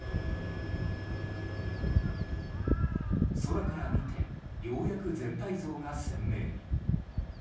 空から見てようやく全体像が鮮明に。